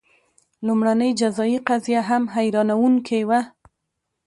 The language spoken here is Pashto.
لومړنۍ جزايي قضیه هم حیرانوونکې وه.